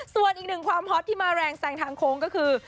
ส่วนอีกหนึ่งความฮอตที่มาแรงแซงทางโค้งก็คือ